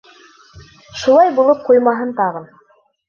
Шулар булып ҡуймаһын тағын.